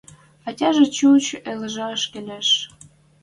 «Ӓтяжӹ, чуч ӹлӹжӓш келеш